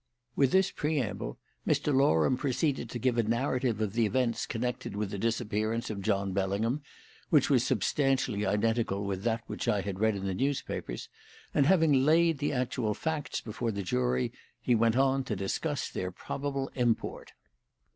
With this preamble Mr. Loram proceeded to give a narrative of the events connected with the disappearance of John Bellingham, which was substantially identical with that which I had read in the newspapers; and having laid the actual facts before the jury, he went on to discuss their probable import.